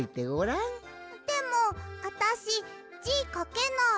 でもあたしじかけない。